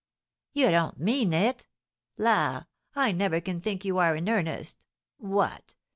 "You don't mean it? La, I never can think you are in earnest! What!